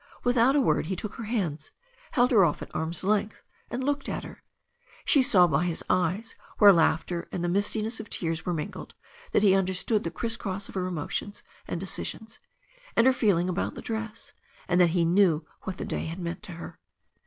Without a word he took her hands, held her off at arm's length, and looked at her. She saw by his eyes, where laughter and the mistiness of tears were mingled, that he understood the criss cross of her emotions and decisions, and her feeling about the dress, and that he knew what the day had meant to her.